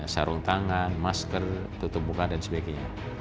sarung tangan masker tutup muka dan sebagainya